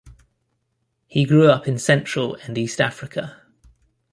He grew up in Central and East Africa.